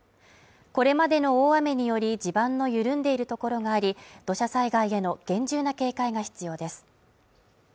これまでの大雨により地盤の緩んでいるところがあり、土砂災害への厳重な警戒が必要です。